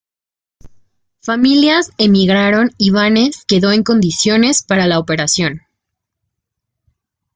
Familias emigraron y Banes quedó en condiciones para la operación.